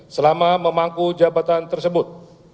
selama memangku jabatan tersebut